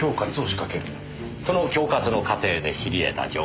その恐喝の過程で知り得た情報